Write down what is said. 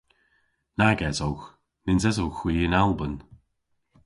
Nag esowgh. Nyns esowgh hwi yn Alban.